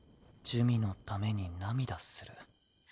珠魅のために涙する。